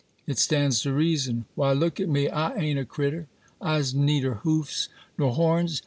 It stands to reason. Why, look at me,—I a'n't a critter. I's neider huffs nor horns.